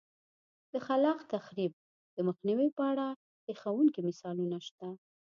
د خلاق تخریب د مخنیوي په اړه هیښوونکي مثالونه شته